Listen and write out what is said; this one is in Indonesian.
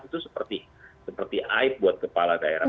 itu seperti aib buat kepala daerah